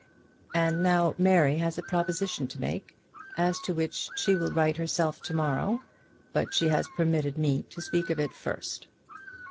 And now Mary has a proposition to make, as to which she will write herself to morrow, but she has permitted me to speak of it first.